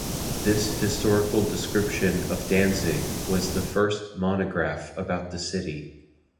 This historical description of Danzig was the first monograph about the city.